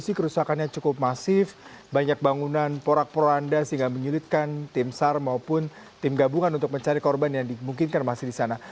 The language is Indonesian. kondisi kerusakannya cukup masif banyak bangunan porak poranda sehingga menyulitkan tim sar maupun tim gabungan untuk mencari korban yang dimungkinkan masih di sana